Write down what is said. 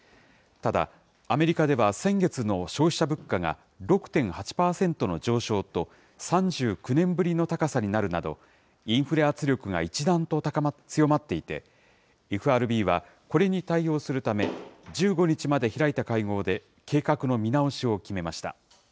ただアメリカでは先月の消費者物価が６．８％の上昇と、３９年ぶりの高さになるなど、インフレ圧力が一段と強まっていて、ＦＲＢはこれに対応するため、１５日まで開いた会合で、計画の見直しを決めました。